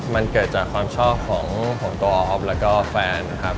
มันเกิดจากความชอบของตัวออฟแล้วก็แฟนนะครับ